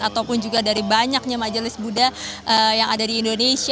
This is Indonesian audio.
ataupun juga dari banyaknya majelis buddha yang ada di indonesia